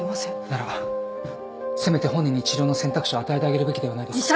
ならばせめて本人に治療の選択肢を与えてあげるべきではないですか。